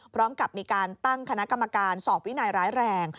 พร้อมกับมีการตั้งคณะกรรมการสอบวินัยร้ายแรง